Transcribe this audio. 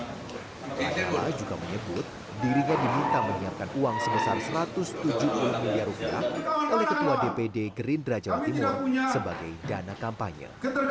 lanyala juga menyebut dirinya diminta menyiapkan uang sebesar satu ratus tujuh puluh miliar rupiah oleh ketua dpd gerindra jawa timur sebagai dana kampanye